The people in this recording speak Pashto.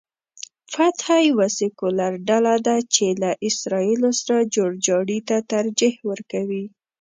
فتح یوه سیکولر ډله ده چې له اسراییلو سره جوړجاړي ته ترجیح ورکوي.